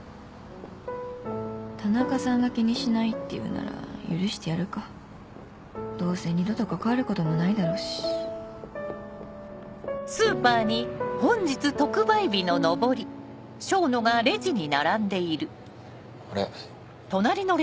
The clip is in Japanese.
田中さんが気にしないって言うなら許してやるかどうせ二度と関わることもないだろうしあれ？